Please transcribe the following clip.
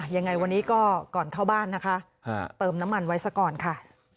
ยังไงวันนี้ก็ก่อนเข้าบ้านนะคะเติมน้ำมันไว้ซะก่อนค่ะ